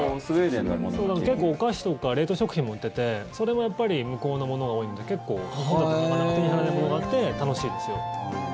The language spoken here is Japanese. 結構、お菓子とか冷凍食品も売っててそれもやっぱり向こうのものが多いので結構、日本だとなかなか手に入らないものがあって楽しいですよ。